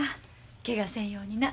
けがせんようにな。